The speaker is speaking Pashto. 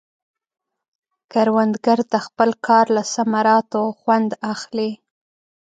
کروندګر د خپل کار له ثمراتو خوند اخلي